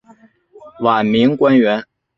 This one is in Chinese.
晚明官员。